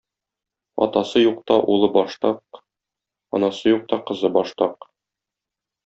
Атасы юкта улы баштак, анасы юкта кызы баштак.